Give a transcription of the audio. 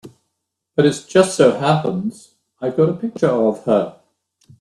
But it just so happens I've got a picture of her.